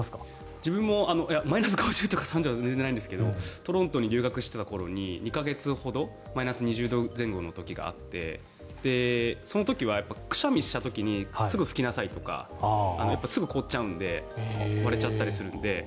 自分はマイナス２０とか３０は全然ないんですがトロントに留学していた時に２か月ほどマイナス２０度前後の時があってその時はくしゃみをした時にすぐに拭きなさいとかすぐ凍っちゃうので割れちゃったりするので。